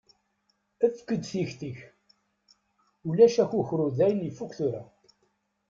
Efk-d tiktik, ulac akukru dayen yeffuk tura.